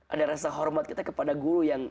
ada rasa hormat kita kepada guru yang